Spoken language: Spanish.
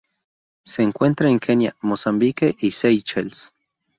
Se encuentra en Kenia, Mozambique y Seychelles.